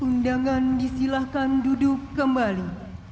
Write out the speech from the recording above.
undangan disilahkan duduk kembali